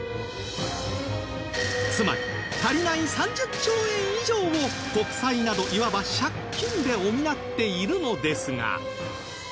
つまり足りない３０兆円以上を国債などいわば借金で補っているのですが